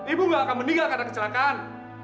ibu nggak akan meninggal karena kecelakaan